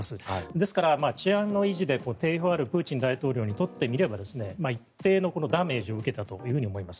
ですから治安の維持で定評のあるプーチン大統領にとってみれば一定のダメージを受けたと思います。